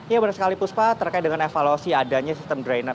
ya benar sekali puspa terkait dengan evaluasi adanya sistem drainer